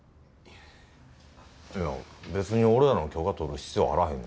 いや別に俺らの許可取る必要あらへんね。